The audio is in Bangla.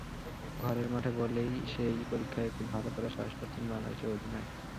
ঘরের মাঠে বলেই সেই পরীক্ষায় একটু ভালো করার সাহস পাচ্ছেন বাংলাদেশ অধিনায়ক।